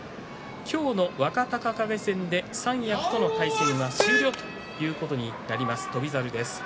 今日の若隆景戦で三役との対戦が終了ということになります、翔猿です。